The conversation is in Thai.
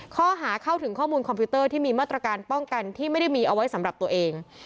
ข้อหาเข้าถึงข้อมูลคอมพิวเตอร์ที่มีมาตรการป้องกันที่ไม่ได้มีเอาไว้สำหรับตัวเอง